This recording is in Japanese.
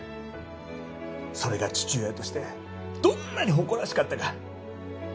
それが父親としてどんなに誇らしかったか。